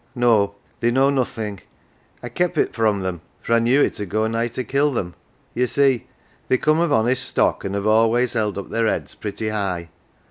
" No, they know nothing ; I kep' it from them, for I knew it 'ud go nigh to kill them. You see they come of honest stock, an' have always held up their heads pretty high.